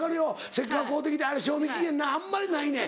せっかく買うてきて賞味期限あんまりないねん。